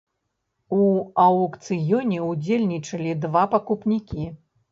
У аўкцыёне ўдзельнічалі два пакупнікі.